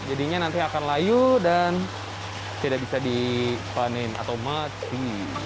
jadinya nanti akan layu dan tidak bisa dipanen atau mati